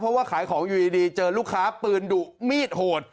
เพราะว่าขายของอยู่ดีเจอลูกค้าปืนดุมีดโหด